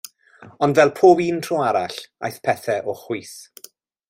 Ond fel pob un tro arall, aeth pethau o chwith.